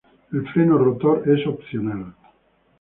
El freno rotor es opcional.